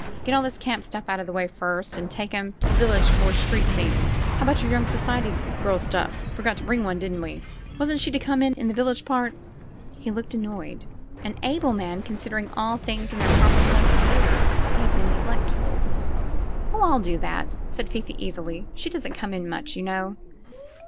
"Get all this camp stuff out of the way first, then take 'em to the village for street scenes. How about your young society girl stuff? Forgot to bring one, didn't we? Wasn't she to come in, in the village part?" He looked annoyed. An able man, considering all things in their proper place and order, he had been ne glectful. ''Oh, I'll do that," said Fifi easily; ''she doesn't come in much, you know."